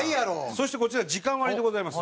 そしてこちら時間割でございます。